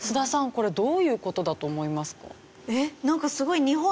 これどういう事だと思いますか？